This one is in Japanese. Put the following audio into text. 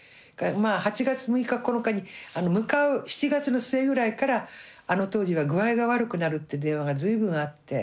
８月６日９日に向かう７月の末ぐらいからあの当時は具合が悪くなるって電話が随分あって。